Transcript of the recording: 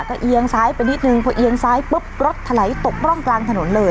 ก็เอียงซ้ายไปนิดนึงพอเอียงซ้ายปุ๊บรถถลายตกร่องกลางถนนเลย